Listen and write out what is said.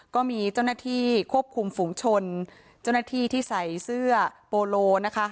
ก็มีเจ้าหน้าที่ควบคุมฝุงชนเจ้าหน้าที่ที่ใส่เสื้อโปโลนะคะ